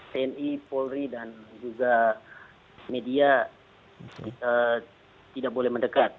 tni polri dan juga media tidak boleh mendekat